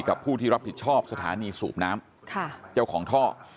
ผู้ที่รับผิดชอบสถานีสูบน้ำเจ้าของท่อ